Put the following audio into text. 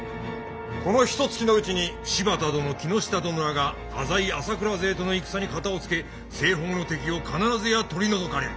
このひとつきのうちに柴田殿木下殿らが浅井朝倉勢との戦に片をつけ西方の敵を必ずや取り除かれる。